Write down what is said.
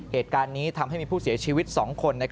เหตุการณ์นี้ทำให้มีผู้เสียชีวิต๒คน